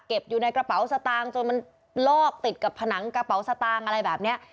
อยู่ในกระเป๋าสตางค์จนมันลอกติดกับผนังกระเป๋าสตางค์อะไรแบบนี้